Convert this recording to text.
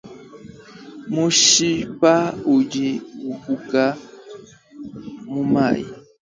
Mushipa udi umbuka mumayi.